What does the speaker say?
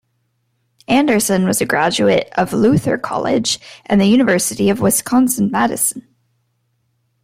Anderson was a graduate of Luther College and the University of Wisconsin-Madison.